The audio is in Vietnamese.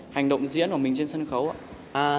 hành động diễn của mình trên sân khấu